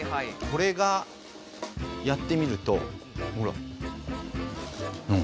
これがやってみるとほら。